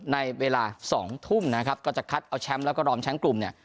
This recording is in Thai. ในเวลาสองทุ่มนะครับก็จะเอาแล้วก็รอมชั้นกลุ่มเนี่ย